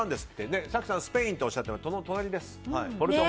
早紀さん、スペインとおっしゃっていましたが隣です。